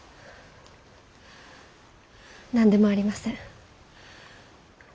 何でもありません。